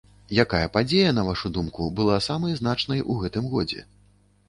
Якая падзея, на вашу думку, была самай значнай у гэтым годзе?